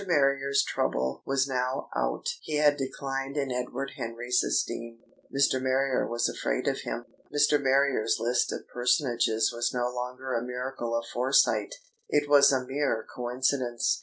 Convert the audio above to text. Marrier's trouble was now out, and he had declined in Edward Henry's esteem. Mr. Marrier was afraid of him. Mr. Marrier's list of personages was no longer a miracle of foresight; it was a mere coincidence.